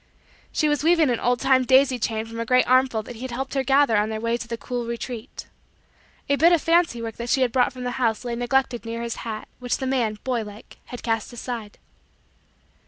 She was weaving an old time daisy chain from a great armful that he had helped her gather on their way to the cool retreat. A bit of fancy work that she had brought from the house lay neglected near his hat, which the man, boy like, had cast aside.